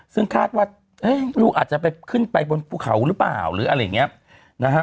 ซึ่งคาดว่าลูกอาจจะไปขึ้นไปบนภูเขาหรือเปล่าหรืออะไรอย่างนี้นะฮะ